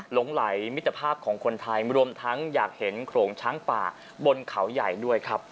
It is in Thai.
หลงไหลมิตรภาพของคนไทยรวมทั้งอยากเห็นโขลงช้างป่าบนเขาใหญ่ด้วยครับ